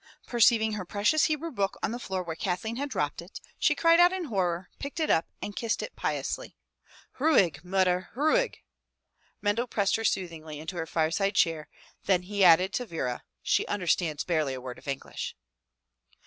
Perceiving her precious Hebrew book on the floor where Kathleen had dropped it, she cried out in horror, picked it up and kissed it piously. ''Ruhigy Mutter y ruhig!'' Mendel pressed her soothingly into her fireside chair, then he added to Vera. "She understands barely a word of English."